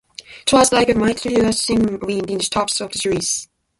It was like a mighty rushing wind in the tops of the trees.